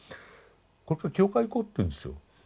これから教会行こうって言うんですよ。